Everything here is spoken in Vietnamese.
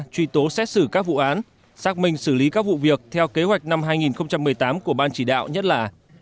truy tố xét xử các vụ án xác minh xử lý các vụ việc theo kế hoạch năm hai nghìn một mươi tám của ban chỉ đạo nhất là